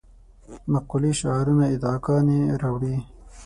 مقولې شعارونه ادعاګانې راوړې.